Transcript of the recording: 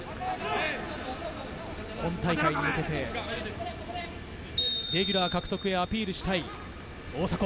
本大会に向けてレギュラー獲得へアピールしたい大迫。